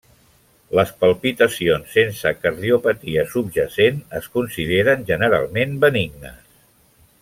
Les palpitacions sense cardiopatia subjacent es consideren generalment benignes.